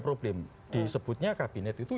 problem disebutnya kabinet itu